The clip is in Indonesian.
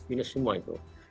minus semua itu